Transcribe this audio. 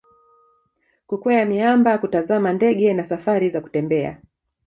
kukwea miamba kutazama ndege na safari za kutembea